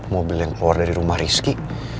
mobil yang keluar dari rumah rizky